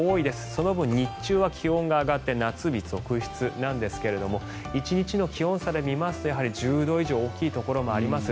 その分日中は気温が上がって夏日続出ですが１日の気温差で見ますと１０度以上大きいところもあります。